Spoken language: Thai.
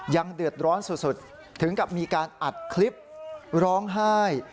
ยังเดือดร้อนสุดถึงกับมีการอัดคลิปร้องไห้